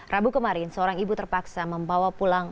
rabu kemarin seorang ibu terpaksa membawa pulang